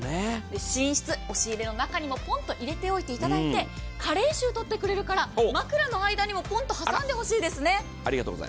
寝室、押し入れの中にもポンと入れておいていただいて加齢臭とってくれるから、枕の間にもポンと挟んでほしいですね。